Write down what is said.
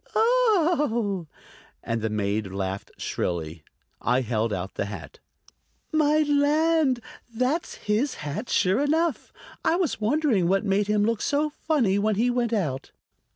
"Oh!" And the maid laughed shrilly. I held out the hat. "My land! that's his hat, sure enough. I was wondering what made him look so funny when he went out."